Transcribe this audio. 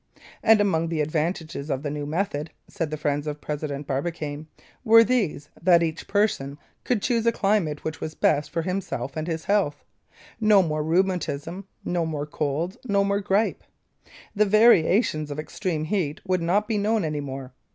"And among the advantages of the new method," said the friends of President Barbicane, "were these, that each person could choose a climate which was best for himself and his health; no more rheumatism, no more colds, no more grippe; the variations of extreme heat would not be known any more.